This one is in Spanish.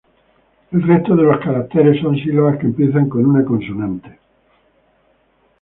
El resto de los caracteres son sílabas que empiezan con una consonante.